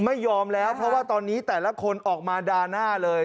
ไม่ยอมแล้วเพราะว่าตอนนี้แต่ละคนออกมาด่าหน้าเลย